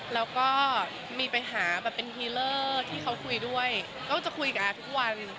แล้วก็มีปัญหาแบบเป็นฮีเลอร์ที่เขาคุยด้วยก็จะคุยกับอาทุกวัน